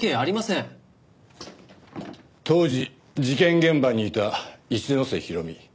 当時事件現場にいた一ノ瀬弘美